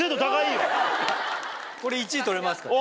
これ１位取れますかね？